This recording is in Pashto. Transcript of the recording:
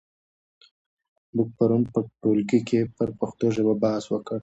موږ پرون په ټولګي کې پر پښتو ژبه بحث وکړ.